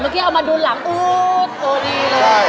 เมื่อกี้เอามาดูหลังอู้โตดี